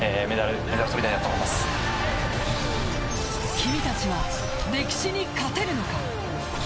君たちは歴史に勝てるのか。